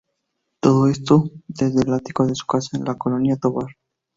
Todo esto desde el ático de su casa en La Colonia Tovar.